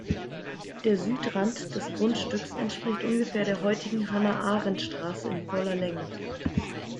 Der Südrand des Grundstücks entspricht ungefähr der heutigen Hannah-Arendt-Straße in voller Länge.